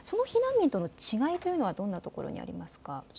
その避難民との違いというのはどういうところにありますか。